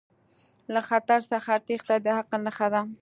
له خطر څخه تیښته د عقل نښه ده.